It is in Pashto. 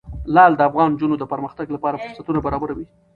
لعل د افغان نجونو د پرمختګ لپاره فرصتونه برابروي.